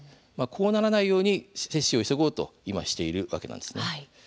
こうならないように接種を急ごうと今しているわけなんです。